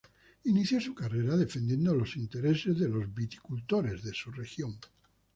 Inició su carrera defendiendo los intereses de los viticultores de su región.